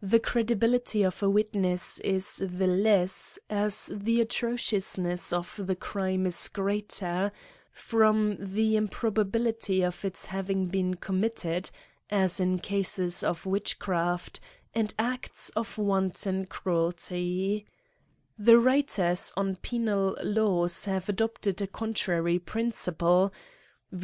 The credibility of a witness is the less as the atrociousness of the crime is greater, from the improbability of its having been committed ; as in cases of witchcraft, and acts of wanton cruelty, 'Ik' The writers on penal laws have adopted a contra * ry principle, viz.